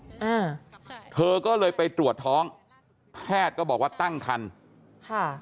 อืมเธอก็เลยไปตรวจท้องแพทย์ก็บอกว่าตั้งคันค่ะ